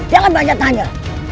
jangan banyak nanya